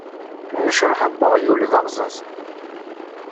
Nnecṛaḥa n uɣyul, d aɣẓaẓ.